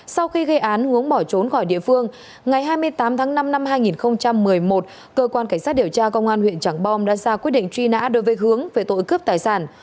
sau khi gây án hướng bỏ trốn khỏi địa phương ngày hai mươi tám tháng năm năm hai nghìn một mươi một cơ quan cảnh sát điều tra công an huyện trảng bom đã ra quyết định truy nã đối với hướng về tội cướp tài sản